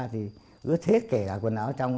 thì ướt hết cả quần áo trong